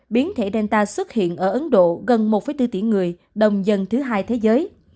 biến thể danta xuất hiện ở ấn độ gần một bốn tỷ người đông dân thứ hai thế giới